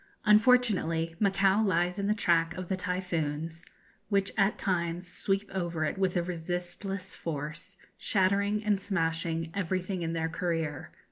Unfortunately Macao lies in the track of the typhoons, which at times sweep over it with a resistless force, shattering and smashing everything in their career.